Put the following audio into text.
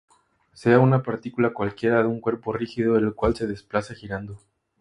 Sea una partícula cualquiera de un cuerpo rígido el cual se desplaza girando.